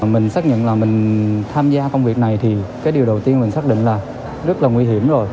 mình xác nhận là mình tham gia công việc này thì cái điều đầu tiên mình xác định là rất là nguy hiểm rồi